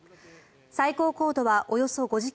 最高高度はおよそ５０ｋｍ